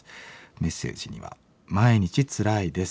メッセージには「毎日つらいです。